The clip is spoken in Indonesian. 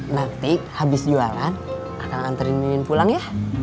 nanti habis jualan akan anterin mimin pulang ya